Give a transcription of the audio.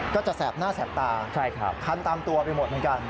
แสบหน้าแสบตาคันตามตัวไปหมดเหมือนกัน